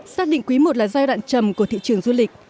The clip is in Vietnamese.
xác định quý i là giai đoạn trầm của thị trường du lịch